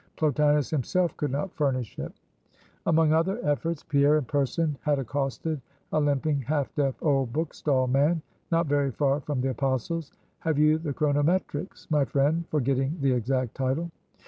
Plotinus himself could not furnish it. Among other efforts, Pierre in person had accosted a limping half deaf old book stall man, not very far from the Apostles'. "Have you the 'Chronometrics,' my friend?" forgetting the exact title.